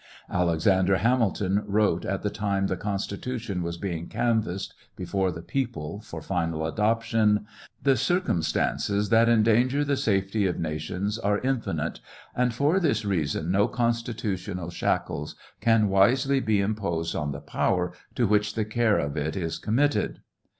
Alexander Hamilton wrote at the time the Constitution was being canvassed before the people for final adoption : The circumstaDces that endanger the safety of nations are infinite, and for this reason no constitutional shacltlcs can wisely be imposed on the power to which the care of it is com mitted.